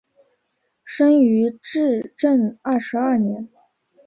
生于至正二十二年。